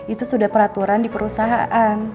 itu sudah peraturan di perusahaan